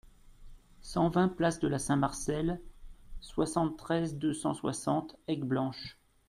cent vingt place de la Saint-Marcel, soixante-treize, deux cent soixante, Aigueblanche